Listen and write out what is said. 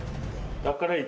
だから。